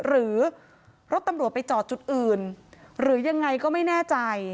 หรือรถตำรวจไปจอดจุดอื่นหรือยังไงก็ไม่แน่ใจ